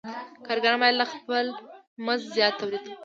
کارګران باید له خپل مزد زیات تولید وکړي